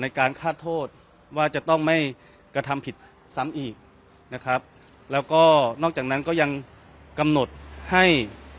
การฆ่าโทษว่าจะต้องไม่กระทำผิดซ้ำอีกนะครับแล้วก็นอกจากนั้นก็ยังกำหนดให้